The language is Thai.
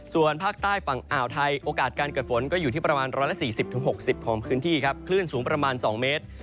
ส่วนภาคใต้ฝั่งอ่าวไทยโอกาสการเกิดฝนก็อยู่ที่ประมาณ๑๔๐๖๐ของพื้นที่ครับคลื่นสูงประมาณ๒เมตร